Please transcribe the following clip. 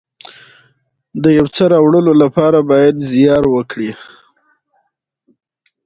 کرکټ د افغان ملت د خوښۍ واحده دریڅه ده.